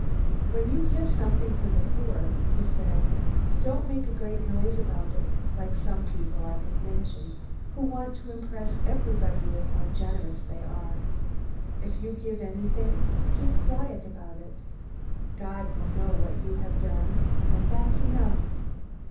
"When you give something to the poor," he said, "don't make a great noise about it, like some people I could mention, who want to impress everybody with how generous they are. If you give anything, keep quiet about it. God will know what you have done, and that's enough.